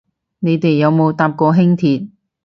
你哋有冇搭過輕鐵